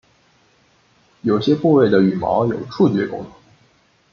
有些部位的羽毛有触觉功能。